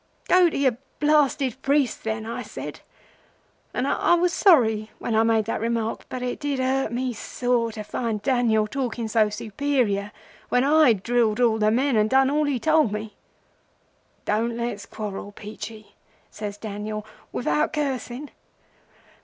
"'Go to your blasted priests, then!' I said, and I was sorry when I made that remark, but it did hurt me sore to find Daniel talking so superior when I'd drilled all the men, and done all he told me. "'Don't let's quarrel, Peachey,' says Daniel without cursing.